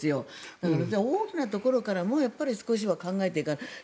だから、大きなところからも少しは考えていかないと。